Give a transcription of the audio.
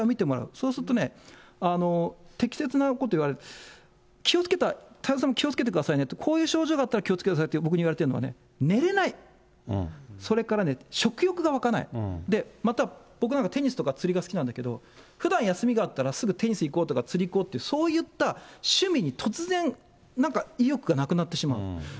そうするとね、適切なこと言われる、気をつけて、太蔵さんも気をつけてくださいねって、言われてるこういう症状があったら気をつけてくださいって、僕に言われてるのは、寝れない、それから食欲が沸かない、また僕なんかはテニスとか釣りが好きなんだけど、ふだん休みがあったら、すぐテニス行こうとか、釣り行こうって、そういった趣味に突然、なんか意欲がなくなってしまう。